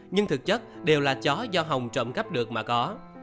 nhưng thực chất đều là chó do hồng trộm cắp được mà có